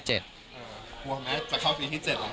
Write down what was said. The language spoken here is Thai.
กลัวไหมจะเข้าปีที่๗เหรอ